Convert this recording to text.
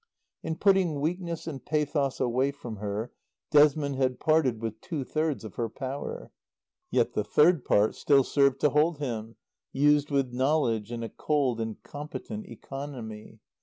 In putting weakness and pathos away from her Desmond had parted with two thirds of her power. Yet the third part still served to hold him, used with knowledge and a cold and competent economy.